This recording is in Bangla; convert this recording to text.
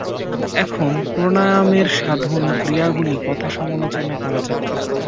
এখন প্রাণায়ামের সাধন ও ক্রিয়াগুলি কথা সমালোচনা করা যাক।